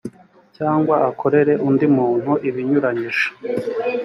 cyangwa akorere undi muntu ibinyuranyije